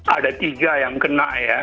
ada tiga yang kena ya